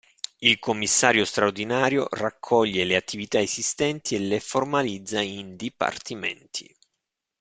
Il commissario straordinario raccoglie le attività esistenti e le formalizza in dipartimenti.